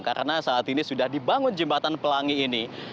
karena saat ini sudah dibangun jembatan pelangi ini